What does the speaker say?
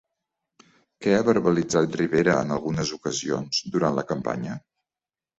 Què ha verbalitzat Rivera en algunes ocasions durant la campanya?